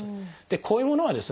こういうものはですね